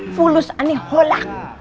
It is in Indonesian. pulus ini hulak